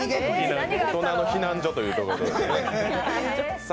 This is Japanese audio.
大人の避難所というところですね。